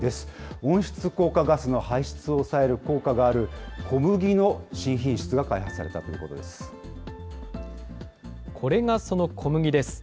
温室効果ガスの排出を抑える効果がある小麦の新品種が開発されたこれがその小麦です。